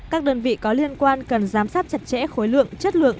các đơn vị có liên quan cần giám sát chặt chẽ khối lượng chất lượng